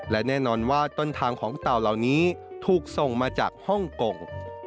และแน่นอนว่าต้นทางของเต่าเหล่านี้ถูกส่งมาจากฮ่องกง